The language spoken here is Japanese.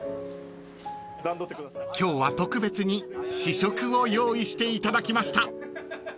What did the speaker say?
［今日は特別に試食を用意していただきました］